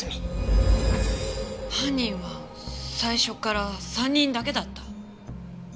犯人は最初から３人だけだった？